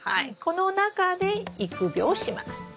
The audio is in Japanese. この中で育苗します。